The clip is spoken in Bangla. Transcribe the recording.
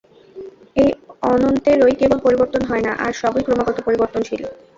এই অনন্তেরই কেবল পরিবর্তন হয় না, আর সবই ক্রমাগত পরিবর্তনশীল।